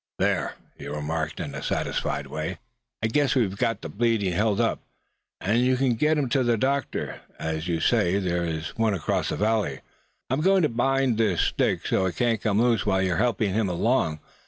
"There," he remarked, in a satisfied way, "I guess we've got the bleeding held up, and you can get him to a doctor, if, as you say, there is one across the valley. I'm going to bind this stick so it can't come loose while you're helping him along.